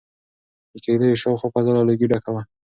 د کيږديو شاوخوا فضا له لوګي ډکه وه.